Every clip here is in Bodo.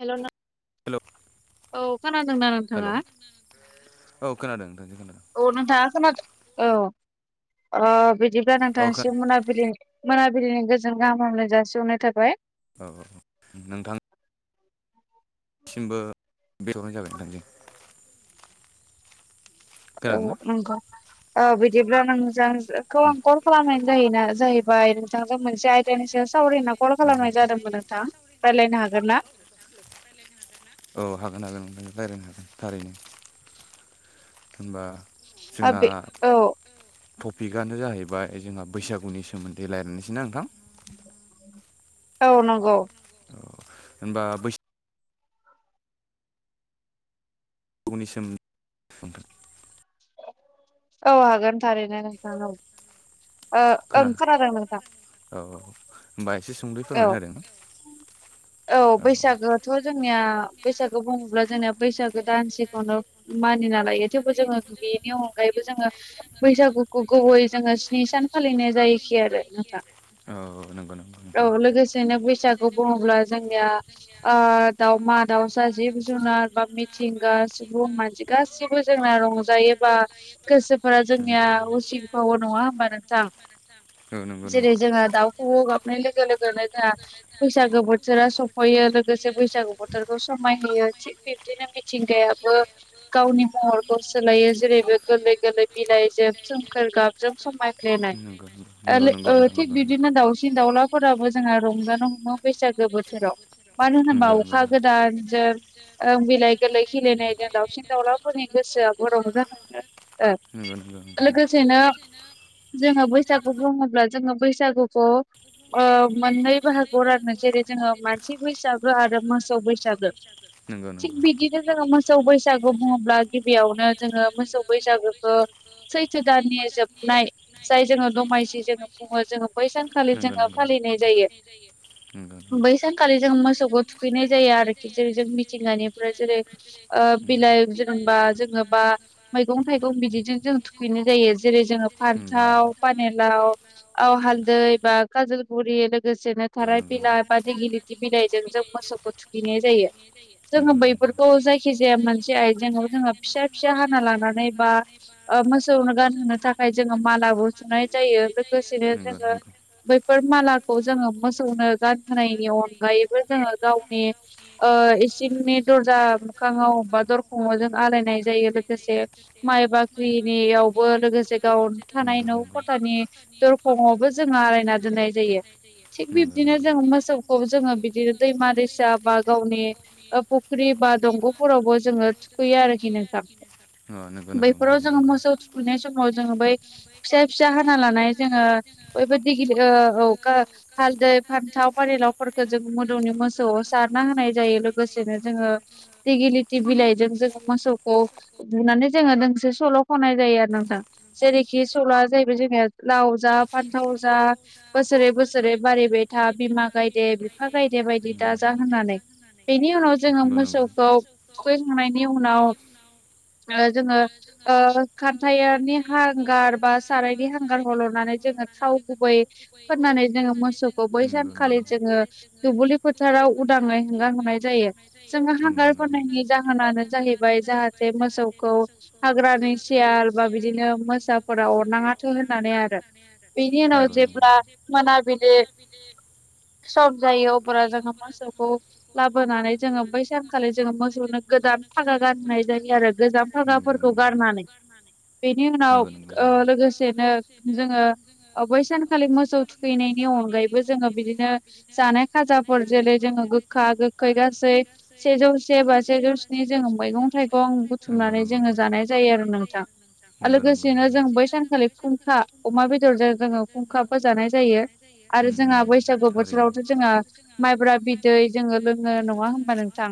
हेलौ नों औ खोनादोंना नोंथाङा औ नोंथाङा खोनादों औ बिदिब्ला नोंथांसै मोनाबिलि मोनाबिलिनि गोजोन गाहाम हामलाय जासिहनाय थाखायाबाय औ नोंथां [unintelligible] औ नंगौ बिदिब्ला नोंजों खौ आं कल खालामनाय जायोना जाहैबाय नोंथांजों मोनसे आयदानि स सावररयनो कल खालामनाय जादोंमोन नोंथां रायज्लायनो हागोन ना औ हागोन हागोन ओनो रायज्लायनो हागोन थारैनो होनबा आबे औ टपिकआनो जाहैबाय जोंहा बैसागुनि सोमोन्दै रायलायनोसैनाा नोंथां औ नंगौ होमबा बैसाग गुनि [unintelligible] औ हागोन थारैनो नोंथां औ। ओ ओं खोनादों नोंथां। होमबा एसे सुंदै फोरमायना होदों। औ बैसागोआथ जोंनिया बैसागो बुङोब्ला जोंनिया बैसागो दानसेखौनो मानिना लायो थेवबो जोङो बेनि अनगायैबो जोङो बैसागुखौ गुबैयै जोङो स्नि सान फालिनाय जायो। आरो नोंथां औ लोगोसेनो बे फिसाखौ बुङोब्ला जोंनिया दाावमा दाउसा जिब जुनार बा मिथिंगा सुबुं मानसि गासिबो जोंना रं गोसोफोरा जोंनिया उसिफावो नङा होनबा नोंथां? औ नों जेरै जोंहा दाउखौबो गाबनाय लोगो लोगोनो जोंहा फैसागो बोथोरा सफैयो लोगोसे बैसागु बोथोरखौ समाय होयो थिग बिबदिनो मिथिंगायाबो गावनि महरखौ सोलायो। जेरैबो गोरलै गोरलै बिलाइजों सोमखोर गाबजों समाय फ्लेनाय थिग बिदिनो दाउसिन दाउलाफोराबो जोंहा रंजानो हमो बैसागो बोथोराव मानो होनोबा अखा गोदानजों बिलाइ गोरलै खिलिनायजों दावसिन दाउलाफोरनि गोसोआ बर'जों लोगोसेनो जोङो बैसागु बुङोबा जोङो बसुखौ मोननै बाहागोआव बरानो जेरै जोङो मानसि बैसागो आरो मोसौ बैसागो थिग बिदिनो जोङो मोसौ बैसागु बुङोब्ला गिबियावनो जोङो जों बैसागुखो सैथो दाननि जोबनाय जाय जोङो दमायसि जोङो बुङो जोङो बैसानखालि जोङो फालियो। बै सानखालि जों मो सौखौ थुखैनाय जायो आरोखि जेरै जों मिथिंगानिफ्राय जेरै बिलाइ जेनेबा जोंङो बा मैगं थाइगं बिदिजों जों थुखैनाय जायो। जेरै जोंङो फान्थाव पानेलाव औ हालदै बा काजलगुरि लोगोसेनो थार बिलाइ बा दिगिलिथि बिलाइजों जों मोसौखौ थुखैनाय जायो। जोंङो बैफोरखौ जायखि जाया मोनसे आयजें जोंङो फिसा फिसा हा लानानै बा मोसौनो गानहोनो थाखाय जोंङो माबो सुनाय जायो। लोगोसेनो नंगौ बैफोर मालाखौ जोंङो मोसौनो गानहोनायनि अनगायैबो जोंङो गावनि इसिंनि दरजा मोखांङाव बा दरखंजों आलायनाय जायो। लोगोसे माइ बाख्रिनियावबो लोगोसे गाव थानाय न' खथानि दरखं दरखंङावबो जोंहा आलायना दोननाय जायो। थिग बिब्दिनो जों मोसौखौ जोंङो बिदिनो दैमा दैसा बा गावनि फुख्रि बा दंग'फोरावबो जोंङो थुखैयो आरोखि नोंथां बैफोराव जोङो मोसौ थुखैनाय समाव जोंङो बै फिसा फिसा हाना लानाय जोंङो बेबायदि गिदिर औ हालदै फान्थाव फानिलाावफोरखौ जों मोदौनि मोसौआव सारना होनाय जायो लोगोसेनो जोंङो गिलिथि बिलाइजों जोंङो मोसौ मोसौखौ लुनानै जोंङो नोंसो सल' खनाय जायो आरो नोंथां जेरैखि सल'आ जाहैबाय जोंनिहा लाव जा फान्थाव जा बोसोरै बोसोरै बारिबाय था बिमा गायदे बिफा गायदे बायदि दाजा होनानै बेनि उनाव जोंङो मोसौखौ थुखैखांनायनि उनाव जोंङो खान्थायनि हांगार बा सारायनि हांगार हल' हुलुनानै गुबैनानै फोनानै जोंङो बै सानखालि जोंङो दुबुलि फोथाराव फोथाराव उदांङै हगार होनराय जायो जोङो हांगार होनायनि जाहोनानो जाहैबाय जाहाथे मोसौखौ हाग्रानि सियल बा बिदिनो मोसाफोरा अरनाङाथों होननानै आरो बेनि उनाव जेब्ला मोनाबिलि सम जायो अब्ला जोंङो मोसौखौ लाबोनानै जोंङो बै सानखालि जोंङो मोसौनो गोदान फागा गाननाय जायो आरो गोजाम फागाफोरखौ गारनानै बेनि उनाव लोगोसेनो जोंङो बै सानखालि मोसौ थुखैनायनि अनगायैबो जोंङो बिदिनो जानाय खाजा जेरै जोंङो गोखा गोखै गासै सेजौ से बा सेजौ स्नि जोंङो मैगं थाइगं गं बुथुमनानै जोंङो जानाय जायो आरो नोंथां आरो लोगोसेनो जों बै सानखालि खुंखा अमा बेदरजों जोंङो खुंखा फोजानाय जायो आरो जोंहा बैसागु बोथोरावथ' जोंहा माइब्रा बिदै जोंङो लोंङो नंङा होनबा नोंथां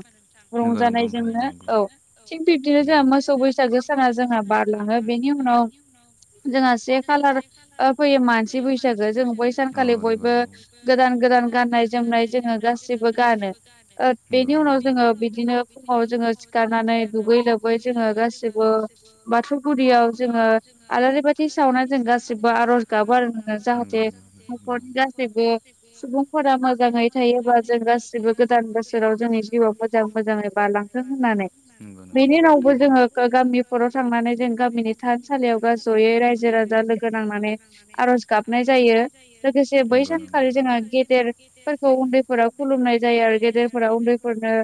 रंजानायजोंनो औ थिग बिब्दिनो जोंहा मोसौ बैसागो साना जोंहा बारलांङो बेनि उनाव जोंहा से खाालार फैयो मानसि बैसागो जों बै सानखालि बयबो गोदान गोदान गाननाय जोम जोंङो गासिबो गानो बेनि उनाव जोंङो बिदिनो फुंङाव जोंङो दुगै लोबै जोंङो गासिबो बाथौ गुरियाव जोंङो आलारि बाथि सावनानै जों गाससिबो आर'ज गाबो आरो नोंङो जाहाथे न'खरनि गासैबो सुबुंफोरा मोजां मोजांङै थायोबा जों गासिबो गोदान बोसोराव जोंनि जिउआव मोजां मोजांङै बारालांथों होननानै बेनि उनावबो जोङो गामिफोराव थांनानै जों गामिनि थानसालियाव ज'यै रायजो राजा लोगो नांनानै आर'ज गाबनाय जायो लोगोसे बै सानखालि जोंङो गेदेर खौ उन्दैफोरााव खुलुमनाय जायो आरो गेदेरफोरा उन्दैफोरनो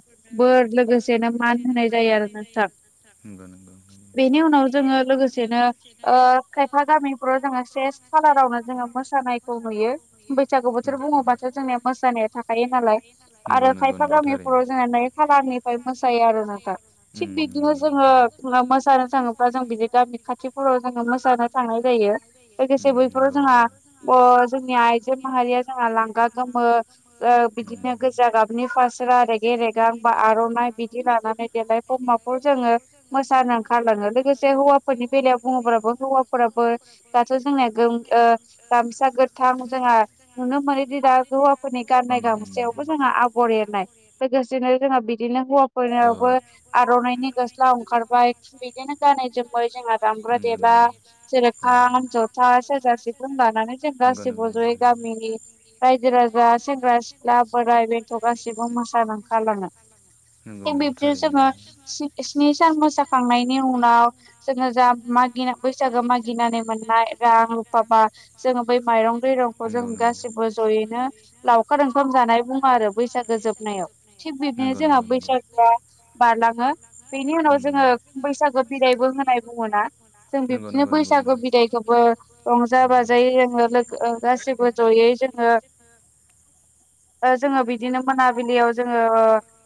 बोर लोगोसेनो मान होनाय जायो। [unintelligible] [unintelligible] [unintelligible] जो से खाालारावनो जोंङो मोसानायखौ नुयो बैसागु बोथोर बुंङोबाथ जोंनि मोसानाय थाखायो नालाय आरो खायफा गामिफोराव जोंना नै खालारनिफ्राय मोसायो आरो ना दा थिग बिदिनो जोंङो मोसानो थांङोब्ला जों बिदि गामि खाथिफोराव जोंङो मोसानो थांङोब्ला जायो लोगोसे बैफोराव जोंहा जोंनि आइजो माहारिया जोंहा लांगा गोमो बिदिनो गोजा गाबनि फास्रा रेगे रेगां बा आरनाइ बिदि लानानै देलाय बम माफफ जोङो मोसानो ओंखारलाङो लोगोसे हौवाफोरनि बेलायाव बुङोब्लाबोो हौवा फोराबो दाथ जोंनिया गामसा गोथां जोंहा नुनो मोनोदि दा हौवाफोरनि गाननाय गामसेयावबो जोंहा आगर एरनाय लोगोसेनो जोंहा बिदिनो हौवाफोरावबो आरनाइनि गस्ला ओंखारबाय बिदिनो गानै जोमबाय जोंहा दामग्रा देला जेरै ख जथा सेरजा सिफ लानानै जों गासिबो जयै गामिनि रायजो राजा सेंग्रा सिख्ला बोराइ बेथ' गासिबो मोसानांखालाङो जोङो स्नि सान मोसाखांनायनि उनाव जोङो जा मागिना बैसागु मागिनानै मोननाय रां रुफाबा जोङो बै माइरं दैरंखौ जों गासिबो जयैनो लावखार ओंखाम जानाय बुङा आरो बैसागो जोबनायाव थिग बिबदिनो जोंहा बैसागु बारलाङो बेनि उनाव जोङो बैसागो बिदायबो होनाय बुङोना जों बिबदिनो बैसागु बिदायखौबो रंजा बाजायै जोङो लोगो गासिबो ज'यै जोङो जोङो बिदिनो मोनाबिलियाव जोङो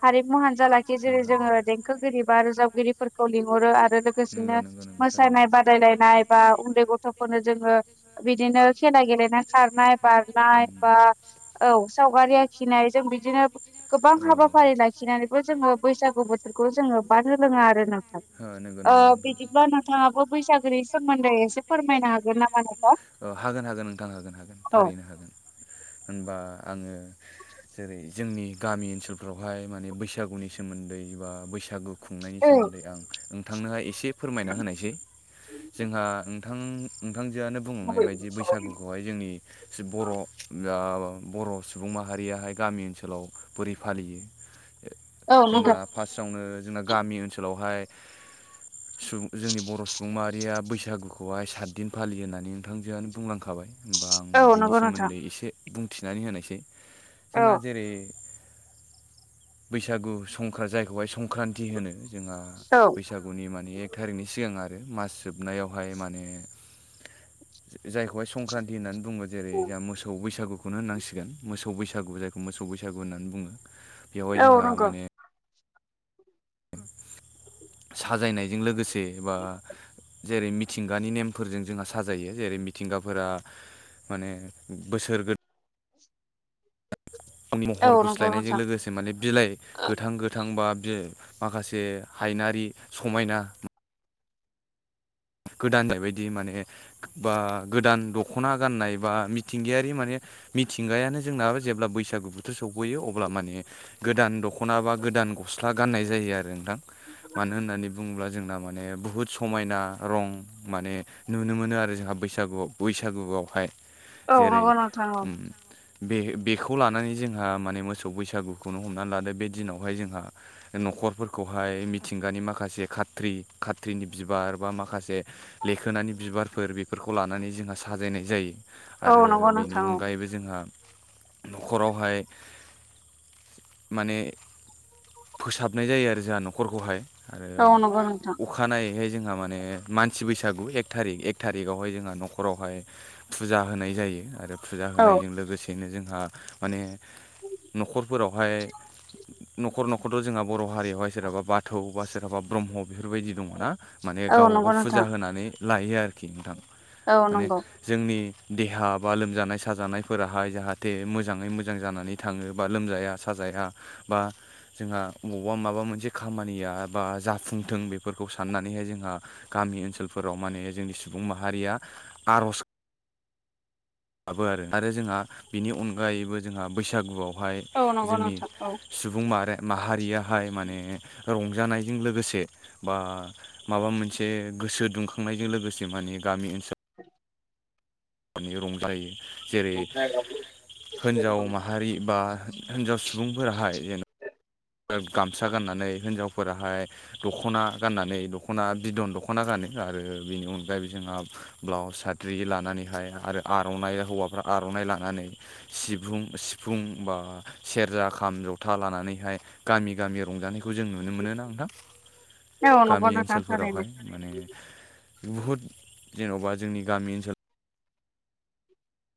हारिमु हानजा जेरै जोङो देंखोगिरि बा रोजाबगिरिफोरखौ लिंहरो आरो लोगोसेनो मोसानाय बादायनाय बा उन्दै गथफोरनो जोङो बिदिनो खेला गेलेनाय खारनाय बारनाय औ सावगारि आखिनाय जों बिदिनो गोबां हाबाफारि लाखिनानै बैसागु बोथोरखौ जोङो बादनो लोङा आरो नोंथां बिदिब्ला नोंथाङाबो बैसागोनि सोमोन्दै एसे फोरमायनो हागोन नामा नोंथ हागोन हागोन नोंथां हागोन हागोन थारैनो हागोन होनबा आङो जेरै जोंनि गामि ओनसोलफ्रावहाय माने बैसाग बैसागुनि सोमोन्दै बा बैसागु खुंनायनि सोमोन्दै आं नोंथांनोहााय एसे एसे फोरमायना होनायसै जोंहा नोंथां बिथांखांजोआनो बुंलांनाय बायदि बैसागुखौहाय जोंनि बर' बर सुबुं माहारियाहाय गामि ओनसोलाव बोरै फालियो जोंना फार्स्टआवनो जोंना गामि ओनसोलावहाय सुबुं जोंनि बर सुबुंमा रिया बैसागुखौहाय सातदिन फालि होननानै नोंथांजोआनो बुंलांखाबाय होमबा आं बिनि सोमोन्दै एसे बुंथिनानै होनायसै जोंना जेरै बैसागु संक्रा जायखौहाय सं संक्रान्ति होनो जोंहा बैसागुनि माने एक थारिकनि सिगां आरो आरो मास जोबनायावहाय माने जायखौहाय संक्रान्ति होननानै बुङो जेरै जोंहा मोसौ बैसागु खौनो होन नांसिगोन मोसौ बैसागु जायखौ मोसौ बैसागु होननानै बुङो बेवहाय जोंहा माने साजायनायजों लोगोसे बा जेरै मिथिंगानि नेमफोरजों जोंहा साजायो जेरै मिथिंगाफोरा माने बोसोर गोदान जायनि महर गुस्लायनायजों लोगोसे माने बिलाइ गोथां गोथां बा माखासे हायनारि समायना गोदान जाबायदि माने बा गोदान दखना गाननाय बा मिथिंगायारि माने मिथिंगायानो जोंना जेब्ला बैसागु बोथोर सफैयो अब्ला माने गोदान दख दखन बा गोदान गस्ला गाननाय जायो आरो नोंथां मानो होननानै बुङोब्ला जोंना माने बुहुत समायना रं माने नुनो मोनो आरो जोंहा बैसागुआव बैसागुआवहाय औ नंगौ नोंथां औ बे बेखौ लानानै जोंहा माने मोसौ बैसागुखौनो हमनानै लादो बे दिनावहाय जोंहा नखरफोरखौहाय मिथिंगानि माखासे खाथ्रि खाथ्रिनि बिबार बा माखासे माखासे लेखोनानि बिबारफोर बेफोरखौ लानानै जोंहा साजायनाय जायो आरो बिनि अनगायैबो जोंहा नखरावहाय माने फोसाबनाय जायो आरो जोंहा नखरखौहाय आरो अखानायैहाय जोंहा माने मानसि बैसागु एक थारिख एक थारिकावहाय जोंहा न'खरावहाय फुजा होनाय जायो आरो फुजा होनायजों लोगोसेनो जोंहा माने न'खरफोरावहाय न'खर न'खर' जोंहा बर' हारियावहाय सोरहाबा बाथौ बा सोरहाबा ब्रह्म बेफोरबायदि दङ ना माने गाव गाव फुजा होनानै लायो आरोखि नोंथां माने जोंनि देहा बा लोमजानाय साजानायफोराहाय जाहाथे मोजाङै मोजां जानानै थाङो बा लोमजाया साजा या बा जोंहा बबावबा माबा मोनसे खामानिया बा जाफुंथों बेफोरखौ साननानैहाय जोंहा गामि ओनसोलफोराव माने जोंनि सुबुं माहारिया आर'ज गाबो आरो आरो जोंहा बिनि अनगायैबो जोंहा बैसागुआव हाय जोंनि सुबुं माहारियाहाय माने रंजानायजों लोगोसे बा माबा मोनसे गोसो दुंखांनायजों लोगोसे माने गामि ओनसोल नि रंजायो जेरै हिन्जाव माहारि बा हिनजाव सुबुं फोराहाय जेन' गामसा गाननानै हिनजावफोराहाय दख'ना गाननानै दख'ना बिदन दख'ना गानो आरो बिनि अनगायैबो जोंहा ब्लाउस साथ्रि लानानैहाय आरो आर'नाइ हौवाफ्रा आरनाय लानानै सिुं सिफुं बा सेरजा खाम जथा लानानैहाय गामि गामि रंजानाय खौ जों नुनो मोनोना नोंथां गामि ओनसोलफोरावहाय माने बुहुद जेन'बा जोंनि गामि ओनसोल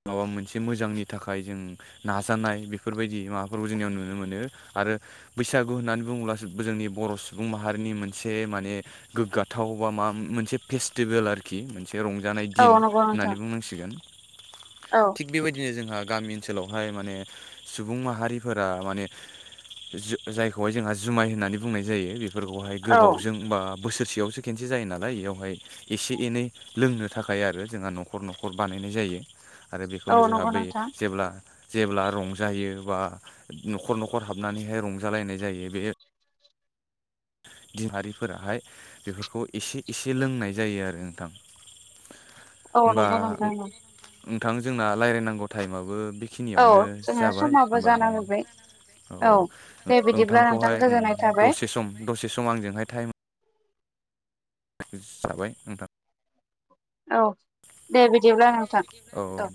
माबा मोनसे मोजांनि थाखाय जों नाजानाय बेफोरबायदि माबाफोरखौ जोंनियाव नुनो मोनो। आरो बैसागु होननानै बुङोब्लासो जोंनि बर' सुबुं माहारिनि मोनसे माने गोग्गाथाव अबा मा मोनसे फेस्टिभेल आरोखि मोनसे रंजानाय दिन होननानै बुंनांसिगोन। थिग बेबायदिनो जोंहा गामि ओनसोलावहाय माने सुबुं माहारिफोरा माने जायखौहाय जोंहा जुमाय होननानै बुंनाय जायो बेफोरखौहाय गोबावजों बा बोसोरसेयावसो खनसे जायो नालाय बेयावहाय एसे एनै लोंनो थाखाय आरो जोंहा न'खर न'खर बानायनाय जायो। आरो बेखौनो जोंहा बै जेब्ला जेब्ला रंजायो बा न'खर न'खर हाबनानैहाय रंजालायनाय जायो बे दिमारिफोराहाय बेफोरखौ एसे एसे लोंनाय जायो आरो नोंथां। औ नंगौ नोंथां औ। नोंथां जोंना रायज्लायनांगौ टाइमाबबो बेखिनियावनो जाबाय होमबा? औ नोंथांखौहाय दसे सम दसे सम आंजोंहाय टाइम। [unintelligible] साबाय नोंथां औ दे बिदिब्ला नोंथां औ